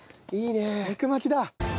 肉巻きだ！